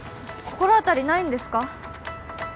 心当たりないんですか？